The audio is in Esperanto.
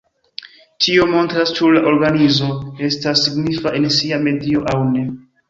Tio montras ĉu la organizo estas signifa en sia medio aŭ ne.